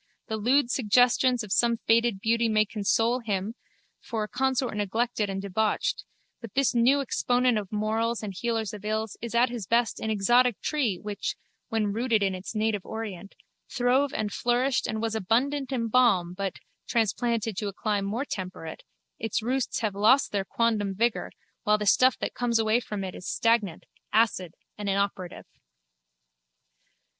The lewd suggestions of some faded beauty may console him for a consort neglected and debauched but this new exponent of morals and healer of ills is at his best an exotic tree which, when rooted in its native orient, throve and flourished and was abundant in balm but, transplanted to a clime more temperate, its roots have lost their quondam vigour while the stuff that comes away from it is stagnant, acid and inoperative.